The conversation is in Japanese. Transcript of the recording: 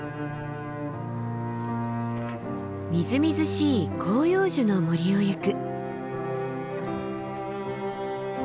みずみずしい広葉樹の森を行く。